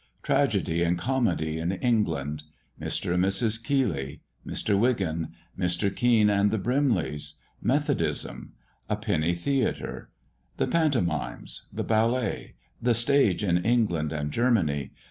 TRAGEDY AND COMEDY IN ENGLAND. MR. AND MRS. KEELEY. MR. WIGAN. MR. KEAN AND THE BRIMLEYS. METHODISM. A PENNY THEATRE. THE PANTOMIMES. THE BALLET. THE STAGE IN ENGLAND AND GERMANY.